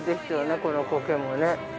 このコケもね。